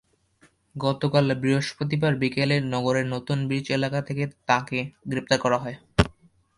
গতকাল বৃহস্পতিবার বিকেলে নগরের নতুন ব্রিজ এলাকা থেকে তাঁকে গ্রেপ্তার করা হয়।